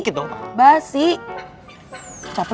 capel jangan marah sama gue